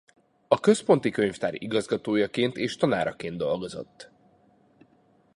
A Központi Könyvtár igazgatójaként és tanáraként dolgozott.